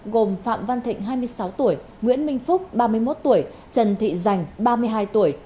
gồm phạm văn thịnh hai mươi sáu tuổi nguyễn minh phúc ba mươi một tuổi trần thị dành ba mươi hai tuổi